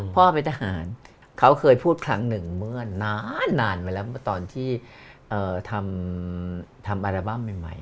พ่อเป็นทหารเขาเคยพูดครั้งหนึ่งเมื่อนานมาแล้วตอนที่ทำอัลบั้มใหม่